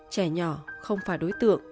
trẻ nhỏ không phải đối tượng